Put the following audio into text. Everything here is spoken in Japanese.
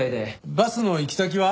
バスの行き先は？